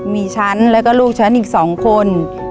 มีฉันแล้วก็ลูกฉันอีก๒คน